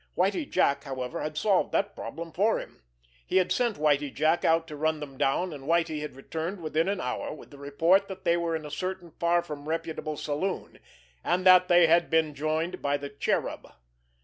Whitie Jack, however, had solved that problem for him. He had sent Whitie Jack out to run them down, and Whitie had returned within an hour with the report that they were in a certain far from reputable saloon, and that they had been joined by the Cherub.